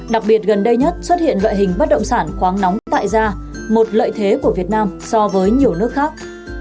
đặc biệt gần đây nhất xuất hiện loại hình bất động sản khoáng nóng tại ra một lợi thế của việt nam so với nhiều nước khác